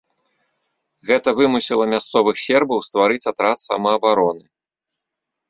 Гэта вымусіла мясцовых сербаў стварыць атрад самаабароны.